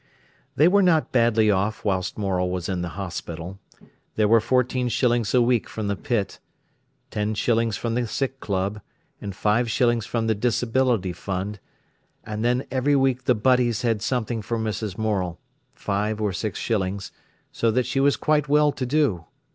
They were not badly off whilst Morel was in the hospital. There were fourteen shillings a week from the pit, ten shillings from the sick club, and five shillings from the Disability Fund; and then every week the butties had something for Mrs. Morel—five or seven shillings—so that she was quite well to do.